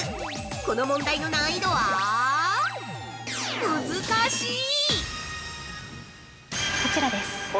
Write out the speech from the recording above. この問題の難易度はむずかしい！